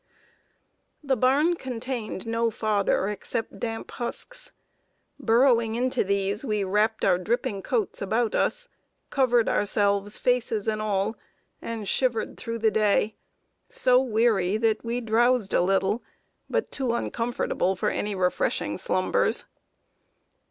The barn contained no fodder except damp husks. Burrowing into these, we wrapped our dripping coats about us, covered ourselves, faces and all, and shivered through the day, so weary that we drowsed a little, but too uncomfortable for any refreshing slumbers.